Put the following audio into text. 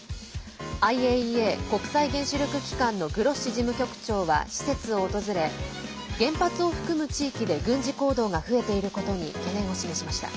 ＩＡＥＡ＝国際原子力機関のグロッシ事務局長は施設を訪れ原発を含む地域で軍事行動が増えていることに懸念を示しました。